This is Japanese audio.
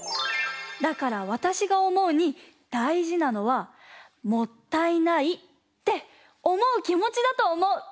だからわたしがおもうにだいじなのはもったいないっておもうきもちだとおもう。